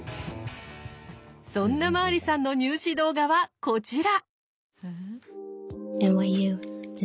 そんなマーリさんの入試動画はこちら。